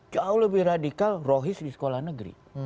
jauh lebih radikal rohis di sekolah negeri